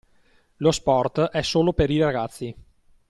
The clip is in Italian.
Lo sport è solo per i ragazzi.